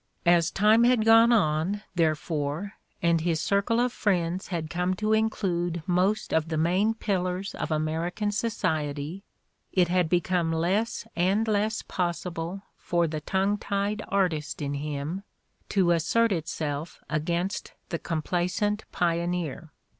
As time had gone on, therefore, and his circle of friends had come to include most of the main pillars of American society, it had become less and less possible for the tongue tied artist in him to assert itself against the complacent pioneer.